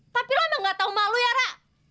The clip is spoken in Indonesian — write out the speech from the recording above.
tapi lo emang nggak tahu malu ya ra